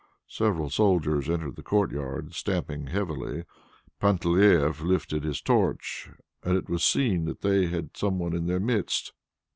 Several soldiers entered the courtyard, stamping heavily. Panteleieff lifted his torch and it was seen that they had some one in their midst.